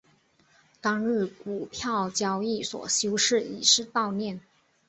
当日股票交易所休市以示悼念。